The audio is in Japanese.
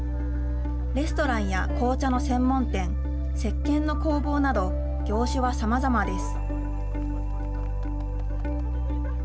レストランや紅茶の専門店、せっけんの工房など、業種はさまざまです。